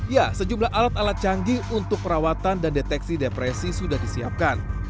ya sejumlah alat alat canggih untuk perawatan dan deteksi depresi sudah disiapkan